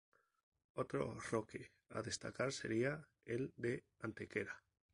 Otro roque a destacar sería el de Antequera.